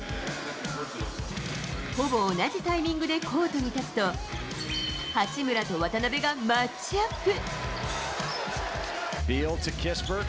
ほぼ同じタイミングでコートに立つと、八村と渡邊がマッチアップ。